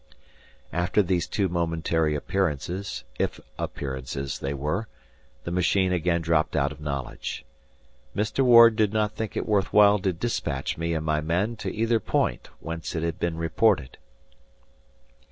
After these two momentary appearances, if appearances they were, the machine again dropped out of knowledge. Mr. Ward did not think it worth while to dispatch me and my men to either point whence it had been reported.